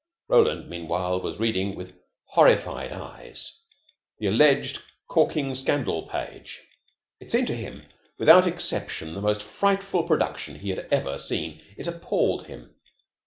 Roland, meanwhile, was reading with horrified eyes the alleged corking Scandal Page. It seemed to him without exception the most frightful production he had ever seen. It appalled him.